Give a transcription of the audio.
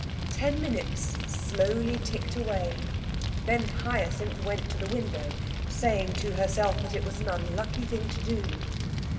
Ten minutes slowly ticked away, then Hyacinth went to the window, saying to herself that it was an unlucky thing to do.